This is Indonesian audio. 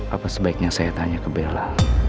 apa sebaiknya saya tanya ke bella